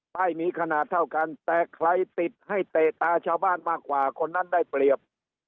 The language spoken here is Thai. ให้มีขนาดเท่ากันแต่ใครติดให้เตะตาชาวบ้านมากกว่าคนนั้นได้เปรียบ